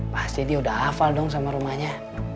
pasti dia udah hafal dong sama rumahnya